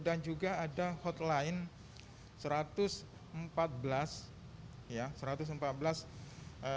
dan juga ada hotline satu ratus empat belas